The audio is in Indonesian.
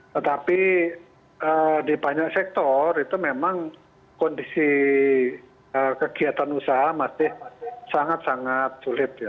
tetapi di banyak sektor itu memang kondisi kegiatan usaha masih sangat sangat sulit ya